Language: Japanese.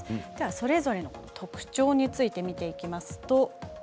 それぞれの特徴について見ていきましょう。